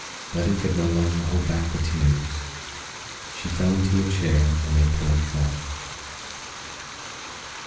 Letty could no longer hold back the tears. She fell into a chair and they poured forth.